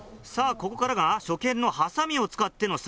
ここからが初見のハサミを使っての作業。